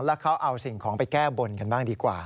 แล้วเขาเอาสิ่งของไปแก้บนกันบ้างดีกว่า